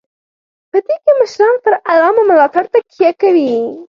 په دې کې مشران پر عامه ملاتړ تکیه کوي.